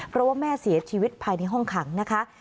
เพราะว่าแม่เสียชีวิตภายในห้องขังนะคะ